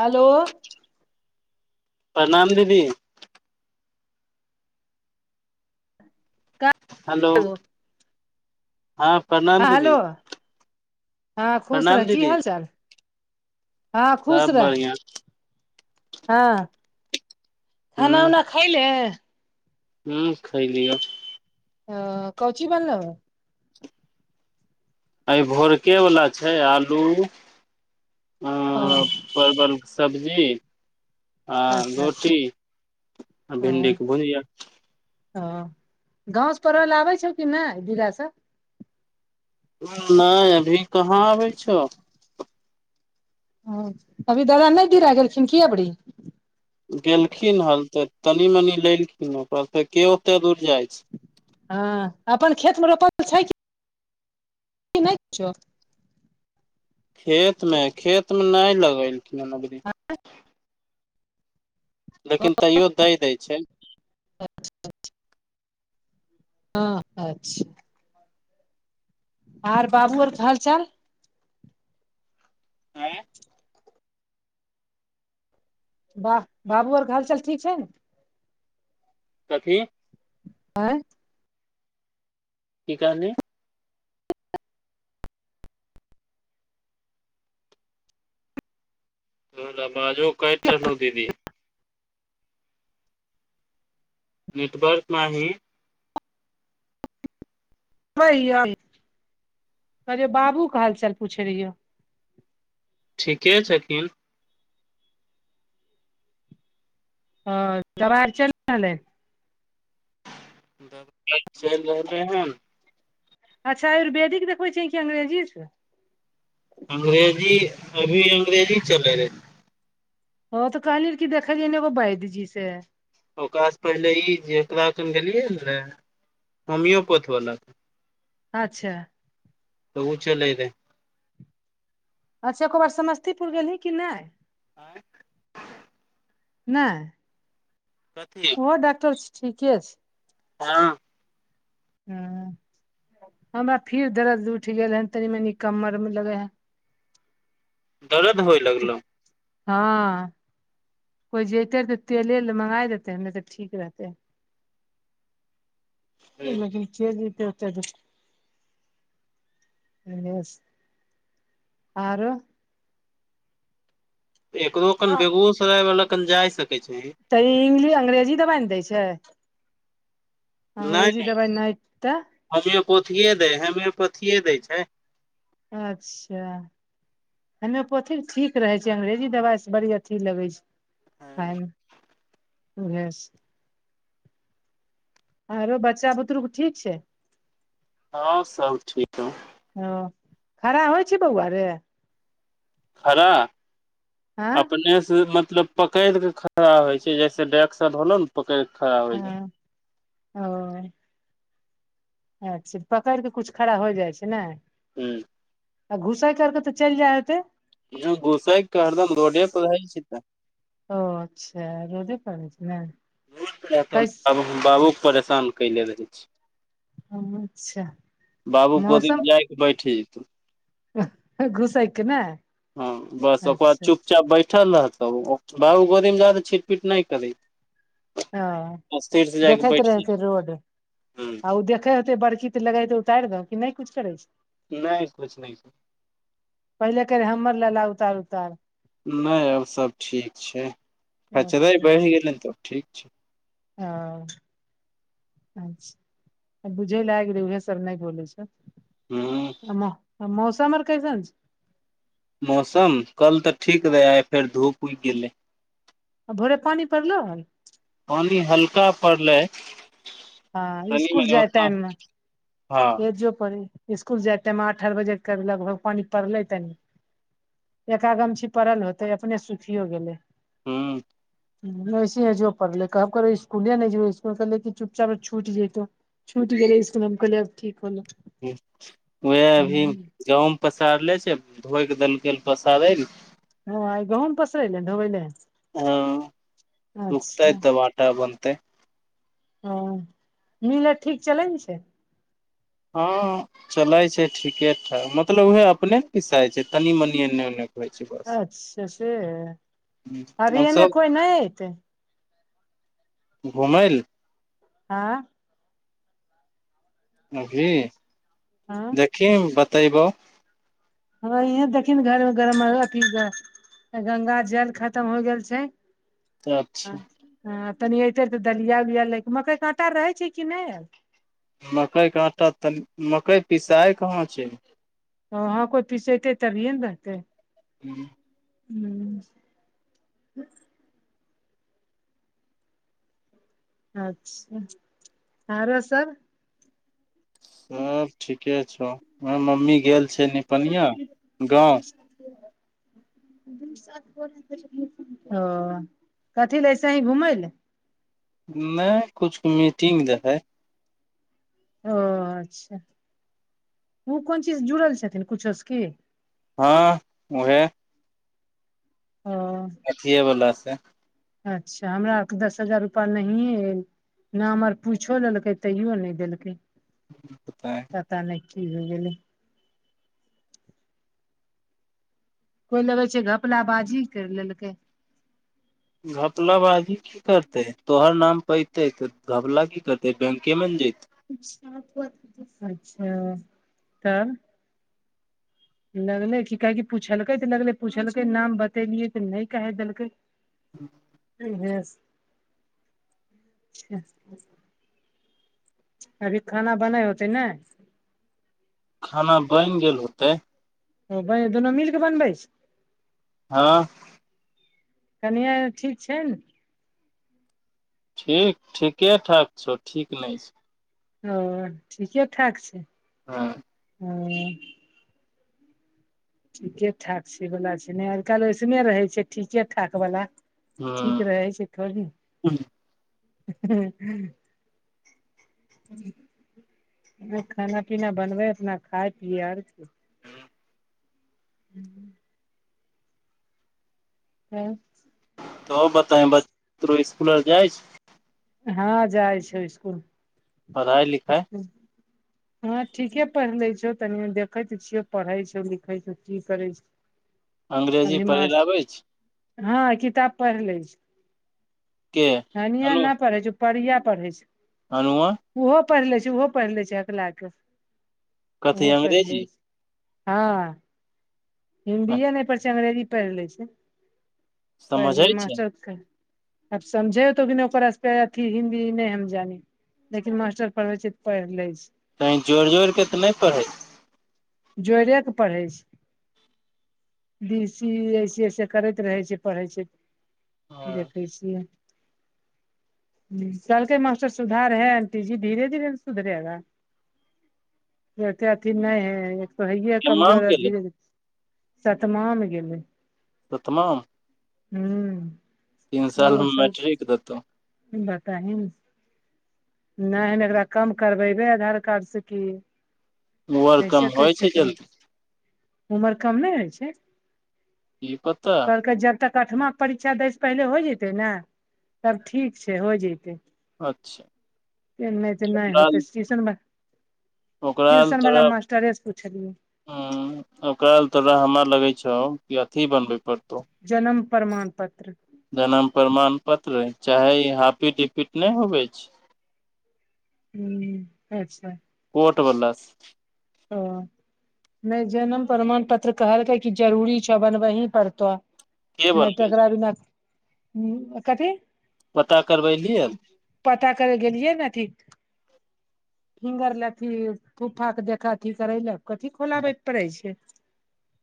hello प्रणाम दीदी का हेलो हँ प्रणाम हँ हेलो दीदी हँ खुश प्रणाम रह की दीदी हाल चाल हँ खुश सब रह बढ़िया हँ खाना उना खायले हू खइलीअ अ कौची बनलअ आइ भोरके बला छै आलू ओ परवल के सब्जी आ अच्छा अच्छा रोटी आ भिंडीके भुजिया ह गाँवसँ पढ़ले आबै छौ कि नहि दिला नाय अभी कहाँ अबै छौ ह अभी दादा नहि गिरा गेलखिन की अबरी गेलखिन हल तऽ तनी मनी लेलखिन कहल्खिन के ओते दूर जाइ छै हँ अपन खेत मे रोपल छै कि नहि छ खेतमे खेत मे नय लगेलखिन ह मगनी [inaudible] [inaudible] लेकिन तैयो दै दै छै अच्छा अच्छा हँ अच्छा आर बाबू आर हाल चाल आँ बाह बाबू आर के हालचाल ठीक छै न कथी आँय की कहलिये तोहर आवजो कयट रहलौ दीदी नेटवर्क मा ही कहे बाबू क हाल चाल पूछै रहियै ठीके छथिन ह दवाई चल रहले दब चैल रहलै हन अच्छा आयुर्वदिक देखबे छियै की अंग्रेजीछै अंग्रेजी अभी अंग्रेजी चलै रहै हँ तऽ कहली कि देखैलीये ऐगो वैधजी से ओकरा स पहिले ई जेकरा क गेलियै हन ने होमियोपथ बलाऽ अच्छा तो चलै रै अच्छा एको बार समस्तीपुर गेलही कि नय आ नय कथी ओ डॉक्टर ठीके छै हँ ह हमरा फिर दर्द उठि गेल हैन तनी मनी कमर मे लगे है दरद होइ लगलौ हँ कोइ जतै तऽ तेले ल मँगा देतै नहि तऽ ठीक रहतै लेकिन [unintelligible] आओरो [unintelligible] एकरो कन बेगुसराय वाला कन जाय सकै छै तऽ ई इंगलि अंग्रेजी दबाइ ने दै छै अंग्रेजी दवाइ नय देतै होमोपोथथिए दै होमोपोथथिए दै छै अच्छा होमियोपैथी ठीक रहै छै अंग्रेजी दबाइसँ बड़ी अथी लगै छै खायइमे वह सआरो बच्चा बुतरुके ठीक छै हँ सब ठीक हौं ह खड़ा होइ छै बौआ रे खरा आँ अपने से मतलब पकड़ के खड़ा होइ छै जैसे डाय्शन होलौ न पकड़िक खड़ा होइ छै हँ ओ अच्छा पकड़ि केऽ किछु खड़ा होइ जाइ छै नाय ह आ घुसाई कर के तऽ चलि जाय होते घुसै क हरदम रोडे पर रहै छै तऽ ओ अच्छा रोदे पड़ै छै ने कै बाबूके परेशान कयले रहै छै अच्छा बाबू गोदी मे जाइके बैठे जेते घूसय क नहि हँ बस ओकर बाद चुपचाप बैठल रहत तौऽ बाबू गो गोदीमे जा के छिटपीट नहि करै ह स्थिर से जायके देखैत बैठ रहेते रोड जेतौ आ ओ देखैय होेते बड़की लगइ तऽ उतारि द कि नय कुछ करै छै नहि किछु नहि पहिले कहै हमर लला उतार उतार नय आब सब ठीक छै कचरे अच्छा अच्छा बढ़ि गेलै तब ठीक छै ह अच्छा बुझै लए आ गेलै उह सब नै बोलै छ हूँ आ मौसमर अर कैसन मौसम कल तऽ ठीक रहे आय फेर धूप उगि गेलै आ भोरे पानि पड़लोह पानी हल्का पड़लै हँ इसकुल जाय टाइम मे हँ एजो परै इसकुल जाय तमे अठाह बजे करलक लगभग पड़लै तनि एकागमछी पड़ल होते अपने सुखियो गेलै हँ वऐसी है जो पढ़ले कब करो स्कुलिया नहि इकुल ले चल छूट ल तो छूट गेले इसको हम कहलेब ठीक होलो वएह अभी गहूंम पसारले छै धोइक देलकै पसारै हँइ गहुंन पसरैलै हन धढोबैल ह सुखतायत तबआट बनतैय ह मिल ठीक चलै छै हँ चलै छै ठीके ठाक मतलब उएहे अपने ने पिसाइ छै तनी मनि एन्ने ओन्ने के होइ छै बस अच्छा से अभी आब एने सब कोइ नहि एऐतै घुमै ल आँ अभी हाँ किम बतैबौ ह यहं देखि ने घरमे गरम अथी ह गंगा जल खत्म हो गेल छै तऽ ह अच्छा ह तनि अयतै तऽ दलिया उलिया लै केमकइके काँटा रहै छै कि नहि आयल मकइके आटा त मकइ पिसाइ कहाँ छै ह हँ कोइ पिसेतै तभिए न रहतै हूँ हूँ अच्छा आरो सब सब ठीके छौ उहा मम्मी गेल छ निपनिया गाँव ज [inaudible] [inaudible] ओ कथी ल ऐसे ही घुमै लए नहि कुछ मीटिंग रहै ओ अच्छा ओ कोन चीज जुड़ल छथिन कुछो सँ की हँ उहे ह अथियए बला से अच्छा हमरा दस हजार रुपैआ नहिए आयल नाम आर पूछो लेलकै तैयो नहि देलकै पबता पता नय की हो गेलै कोइ लगै छै घपलाबाजी करि लेलकै घपला बाजी की करते तोहर नाम पैते त घबला की करते बैंके मे ने जते अच्छा त लगले कि काह कि पुछलकै त लगले पुछलकै नाम बतेलियै त नहि कहे देलकै आ [unintelligible] [unintelligible] अभी खाना बनै होतै ने खाना बैन गेल होतै ओ ब दुनू मिल क बनबै छै हँ कनिया आर ठीक छै ने ठीक ठीके ठाक छौ ठीक नय छौ ओ ठीके ठाक छै हँ ह ठीके ठाक छै बला छै ने आइ काल्हि इसने रहै छै ठीके ठाकवला ठीक रहै छै थोड़ी हूँ खाना पीना बनबै अपना खाय पियर आर कि हू हँ तो बता बतरो स्कुल आर जाइ छै हँ जाइ छै ईस्कुल पढ़ाई लि अस [unintelligible] [unintelligible] ह ठीके पढ़ लौ छै तनि देखै त छियो पढ़े छौ लिखै छौ की करै छौ [inaudible] अंग्रेजी अभी पढ़े लए आबै मस्त छै हँ किताब पढ़ लै छै के कनिया अनु ना पढ़ै छै परीया पढ़ै छै अनुआ ओहो पढ़ि ले छै ओहो पढ़ ले छै हकला के कथी ओहो पढ़ अंग्रेजी ले छै हँ हिन्दीए नहि पढ़ै छै अंग्रेजी पढ़ि लै छै पढ़ि समझै ल छै मास्टर अब समझे तो बि नहि ओकर अथी हिन्दी नहि हमजानी लेकिन मास्टर पढ़बै छै तड पढ़ लै छै तऽ कहीं जोर जोर के त नहि पढ़ै छै जोड़े के पढे छै बी सी ऐसे ऐसे करैत रहै छै पढ़ै छै हँ देखै छियै [inaudible] कहलकै मास्टर सुधार है आंटी जी धीेरे धीरे ना सुधरेगा जते अथी नहि है एक तो हेये तमाम कमजोर गेलै धीरे धीरे शतमाम गेलह शतमा मऽ हु साल उ मे सब मैट्रिक देतौ बताहिन ने नहि हम ऐकरा कम करबेबे आधार कार्ड से की उम्र कम ऐसे होई कैसे छै करबै जल्दी उमर काम नहि होई छै की पता कहलक जब तक अठमा के परीक्षा दै सँ पहिले होई जतै ने तब ठीक छै होई जतै अच्छा नहि त नहि ओकरा होते टीशन ओकरा ल ट्यूशन वाला तोरा मास्टरे से पुछलियै ओकरा ल तोरा हमरा लगै छौ कि अथी बनबै परते जन्म प्रमाण पत्र जन्म प्रमाण पत्र चाहे ई हॉपिडीपिट नहि होवे छै हु अच्छा कोट वाला सँ ओ नहि जनम प्रमाण पत्र कहलकै कि जरूरी छ बनबै ही पड़तह नहि तऽ बनबै छै अकरा विना पता करबैलहिन पता करे गेलियए अथी फिंगर लेथि फूफा कऽ देखय कथी करे ले कथी खोलाबे पड़े छै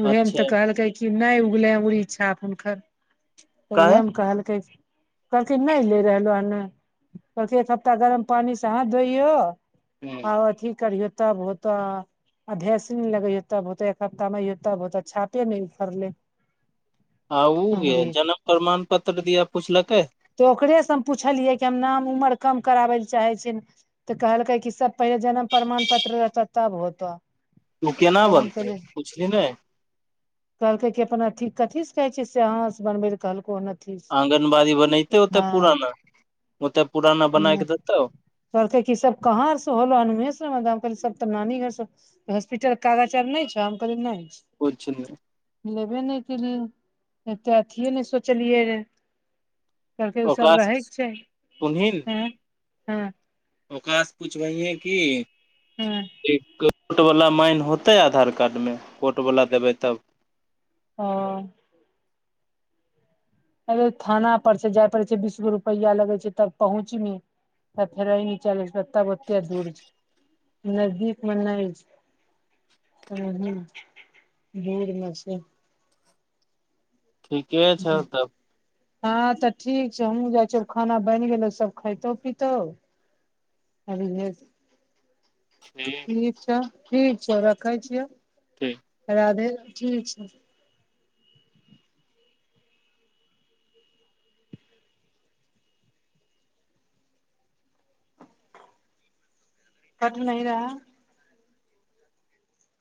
उहे में तऽ अच्छा कहलकै कि नहि उगलै उरी इच्छा हुनकर तऽ उएह काहे में कहलकै कहलकिन नहि ले रहलो हन कहलक एक हफ्ता गरम पानि से हाथ धोइय आ ठीक करिय तऽ तब होतय आब भेसलीन लगै तऽ हेतै एक हफ्ता मे में हेतो बहुत छापे न फरले आ ओ गे जन्म प्रमाण पत्र दिया पुछलकै तऽ ओकरे सँ हम पुछलियै कि हम नाम उमर कम कराबै लए चाहै छी तऽ कहलकै कि सब पहिले जन्म प्रमाण पत्र रहते तब होतो ओ केना तब हम बनतै कहलियै पुछलीहि नेय कहलकै कि अपना अथि कथी से कहै छै से अहाँ से बनबे लऽ कहलको कोन अथि आँंगनबाड़ी बनेते ओते पुराना ओते पुराना बना के देतौ कहल कै की सब कह से होला हेन ओहे कह सब तऽ नानी गांव से हॉस्पिटल कऽ कागज़ नाए छै हम कहलिए नै छै कुछ नै लेबे नहि केलिए [inaudible] एते अथीए नहि सोचलियै रे कहलकै उसभ ओकरा रहैके सुनही चाहि [inaudible] ओकरा से पूछबयह है की हँ [inaudible] कोर्ट बाला माइन होतै आधार कार्ड में कोर्ट बाला देबै तब [unintelligible] अरे थाना पर से जाय पड़ै छै बीस गो रुपैआ लगै छै तब पहुँच बि पंथरेनी चले तब अते दूर छै नजदीक में नहि छै [unintelligible] ठीके छौ तब [unintelligible] हाँ तऽ ठीक छै हमहु जाई छियौ खाना बन गेलो सब खइतो पितो [unintelligible] [unintelligible] ठीक छ ठीक छौ रखै छियौ ठीक राधे ठीक छै कट नहि रहा